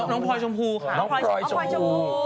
พลอยชมพูค่ะน้องพลอยชมพู